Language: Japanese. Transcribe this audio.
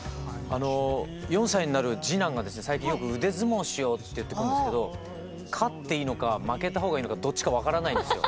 あの４歳になる次男がですね最近よく「腕相撲しよう」って言ってくるんですけど勝っていいのか負けたほうがいいのかどっちか分からないんですよ。